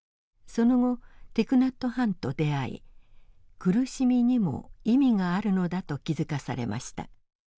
その後ティク・ナット・ハンと出会い苦しみにも意味があるのだと気づかされました。